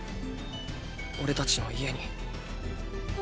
オレたちの家に。